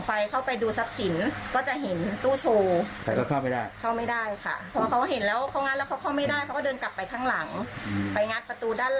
ก็เข้าไม่ได้เค้าก็เลยปีนไปข้างบ้าน